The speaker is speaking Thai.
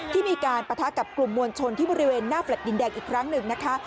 ที่มีการปะทะกับกลุ่มมวลชนที่บริเวณหน้าแฟลต์ดินแดงอีกครั้งหนึ่งนะคะ